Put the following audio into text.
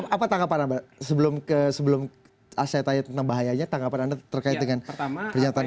apa tanggapan anda sebelum saya tanya tentang bahayanya tanggapan anda terkait dengan pernyataan ini